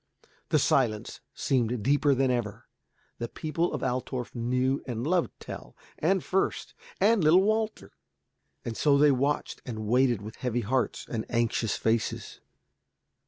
The silence seemed deeper than ever. The people of Altorf knew and loved Tell, and Fürst, and little Walter. And so they watched and waited with heavy hearts and anxious faces.